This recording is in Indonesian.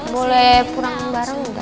boleh purang bareng gak